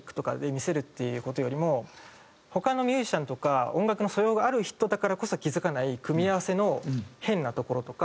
魅せるっていう事よりも他のミュージシャンとか音楽の素養がある人だからこそ気付かない組み合わせの変なところとか。